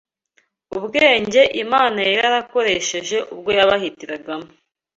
ubwenge Imana yari yakoresheje ubwo yabahitiragamo